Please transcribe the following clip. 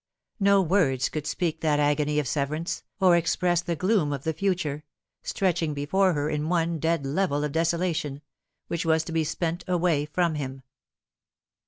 No words could speak that agony of severance, or express the gloom of the future stretching before her in one dead level of desola tion which was to be spent away from him.